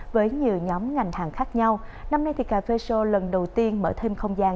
với nhiều nhóm ngành hàng khác nhau năm nay thì cà phê show lần đầu tiên mở thêm không gian